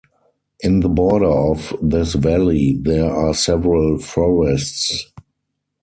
In the border of this valley there are several forests.